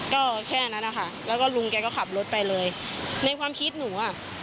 ก็แค่นั้นนะคะแล้วก็ลุงแกก็ขับรถไปเลยในความคิดหนูอ่ะ